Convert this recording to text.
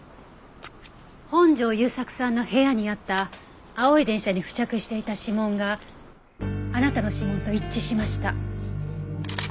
本城雄作さんの部屋にあった青い電車に付着していた指紋があなたの指紋と一致しました。